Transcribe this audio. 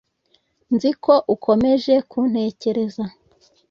Nzi ko ukomeje kuntekereza